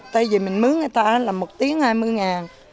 tại vì mình mườn người ta là một tiếng hai mươi ngàn